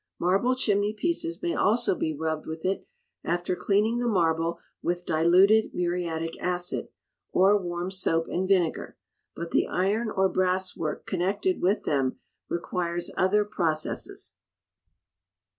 Marble chimney pieces may also be rubbed with it, after cleaning the marble with diluted muriatic acid, or warm soap and vinegar; but the iron or brass work connected with them requires other processes.